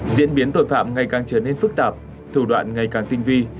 diễn biến tội phạm ngày càng trở nên phức tạp thủ đoạn ngày càng tinh vi